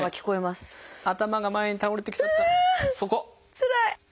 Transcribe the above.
つらい！